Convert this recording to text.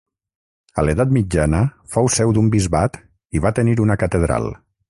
A l'edat mitjana fou seu d'un bisbat i va tenir una catedral.